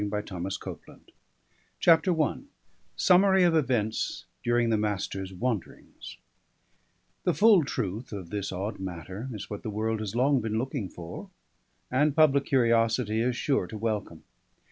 _] THE MASTER OF BALLANTRAE CHAPTER I SUMMARY OF EVENTS DURING THE MASTER'S WANDERINGS The full truth of this odd matter is what the world has long been looking for, and public curiosity is sure to welcome.